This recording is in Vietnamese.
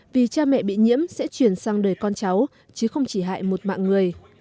vì cha mẹ bị nhiễm sẽ chuyển sang đời con cháu chứ không chỉ hại một mạng người